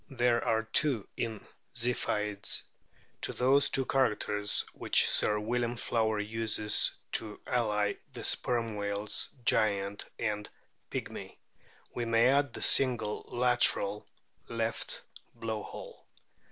There are two in Ziphiids. To these two characters, which Sir William Flower uses to ally the " Sperm whales giant and pygmy," we may add the single lateral (left) blow hole.